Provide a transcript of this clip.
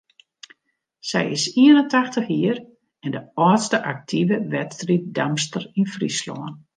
Sy is ien en tachtich jier en de âldste aktive wedstriiddamster yn Fryslân.